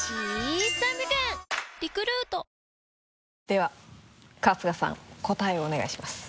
では春日さん答えをお願いします。